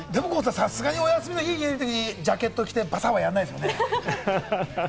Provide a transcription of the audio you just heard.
さすがにお休みの日、家にいるとき、ジャケット着てバサッはやらないですよね？